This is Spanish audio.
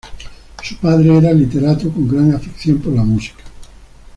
Su padre era literato con gran afición por la música.